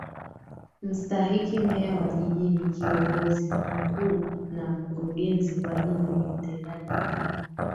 Mstahiki Meya wa Jiji ni Kiongozi Mkuu na Mkurugenzi wa Jiji ni Mtendaji Mkuu